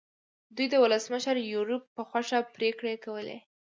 دوی د ولسمشر یوریب په خوښه پرېکړې کولې.